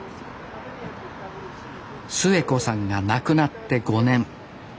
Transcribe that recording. スエコさんが亡くなって５年。